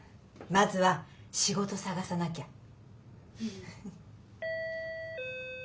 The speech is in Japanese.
まずは仕事探さなきゃ。